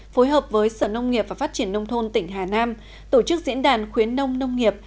phối hợp với sở nông nghiệp và phát triển nông thôn tỉnh hà nam tổ chức diễn đàn khuyến nông nông nghiệp